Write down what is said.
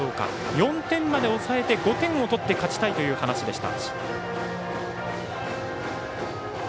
４点まで抑えて、５点を取って勝ちたいという話でした。